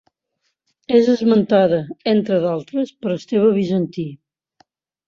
És esmentada entre d'altres per Esteve Bizantí.